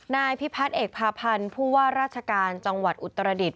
นายพิพัฒน์เอกพาพันธ์ผู้ว่าราชการจังหวัดอุตรดิษฐ